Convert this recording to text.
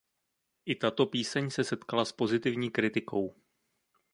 I Tato píseň se setkala s pozitivní kritikou.